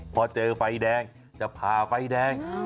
พอเจอไฟแดงจะผ่าไฟแดง